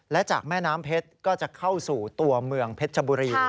และจากแม่น้ำเพชรก็จะเข้าสู่ตัวเมืองเพชรชบุรี